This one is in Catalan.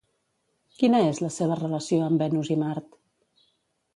Quina és la seva relació amb Venus i Mart?